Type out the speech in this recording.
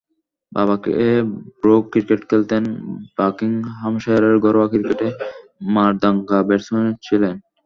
বাবা Grey Brock cricket খেলতেন, বাকিংহামশায়ারের ঘরোয়া ক্রিকেটে মারদাঙ্গা ব্যাটসম্যান ছিলেন।